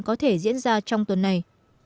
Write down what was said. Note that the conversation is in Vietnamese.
có thể diễn ra trong tuần này